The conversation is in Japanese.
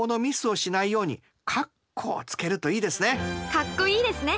かっこいいですね！